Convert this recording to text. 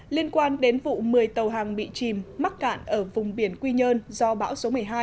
liên quan đến vụ một mươi tàu hàng bị chìm mắc cạn ở vùng biển quy nhơn do bão số một mươi hai